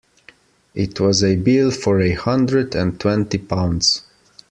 It was a bill for a hundred and twenty pounds.